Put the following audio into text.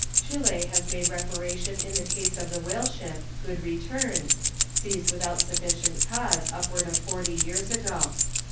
Chile has made reparation in the case of the whale ship Good Return, seized without sufficient cause upward of forty years ago.